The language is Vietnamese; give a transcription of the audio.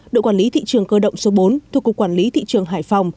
đội quản lý thị trường cơ động số bốn thuộc cục quản lý thị trường hải phòng